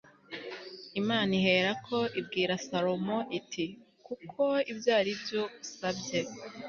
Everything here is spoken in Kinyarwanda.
imana iherako ibwira salomo iti kuko ibyo ari byo usabye